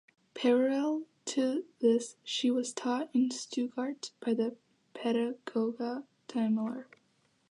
Parallel to this she was taught in Stuttgart by the pedagogue Daimler.